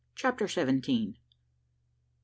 CHAPTER SEVENTEEN. MR.